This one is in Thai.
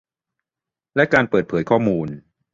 และการเปิดเผยข้อมูล